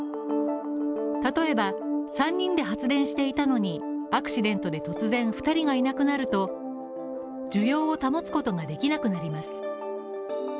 例えば３人で発電していたのにアクシデントで突然２人がいなくなると需要を保つことができなくなります。